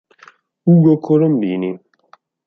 Ugo Colombini